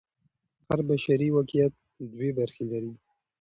هر بشري واقعیت دوې برخې لري.